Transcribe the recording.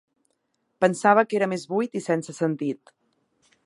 Pensava que era més buit i sense sentit.